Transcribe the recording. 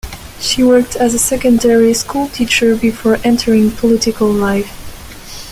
She worked as a secondary school teacher before entering political life.